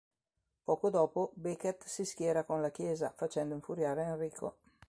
Poco dopo Becket si schiera con la Chiesa, facendo infuriare Enrico.